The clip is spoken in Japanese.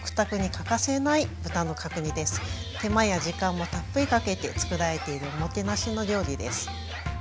手間や時間もたっぷりかけて作られているおもてなしの料理です。